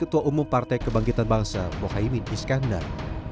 ketua umum partai kebangkitan bangsa mohaimin iskandar